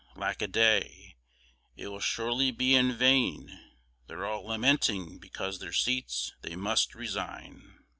lack a day, it will surely be in vain. And they're all lamenting because their seats they must resign.